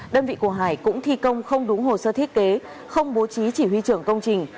đơn vị của hải cũng thi công không đúng hồ sơ thiết kế không bố trí chỉ huy trưởng công trình